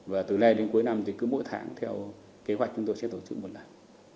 và từ nay đến cuối năm thì cứ mỗi tháng theo kế hoạch chúng tôi sẽ tổ chức một lần